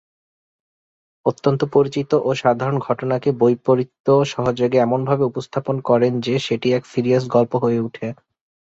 অত্যন্ত পরিচিত ও সাধারণ ঘটনাকে বৈপরীত্য সহযোগে এমনভাবে উপস্থাপন করেন যে, সেটি এক সিরিয়াস গল্প হয়ে ওঠে।